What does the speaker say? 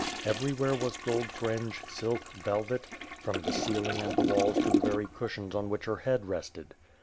Every where was gold fringe, silk, velvet; from the ceiling and the walls to the very cushions on which her head rested.